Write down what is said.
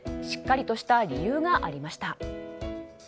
しっかりとした理由がありました。